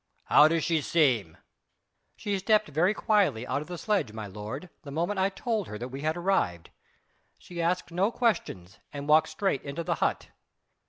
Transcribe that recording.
"How does she seem?" "She stepped very quietly out of the sledge, my lord, the moment I told her that we had arrived. She asked no questions, and walked straight into the hut.